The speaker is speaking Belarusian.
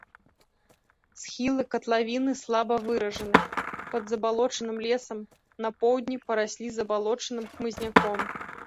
Схілы катлавіны слаба выражаны, пад забалочаным лесам, на поўдні параслі забалочаным хмызняком.